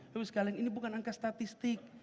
tapi sekalian ini bukan angka statistik